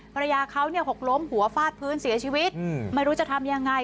ภรรยาเขาเนี่ยหกล้มหัวฟาดพื้นเสียชีวิตไม่รู้จะทำยังไง